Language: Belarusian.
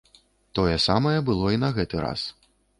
Тое самае было і на гэты раз.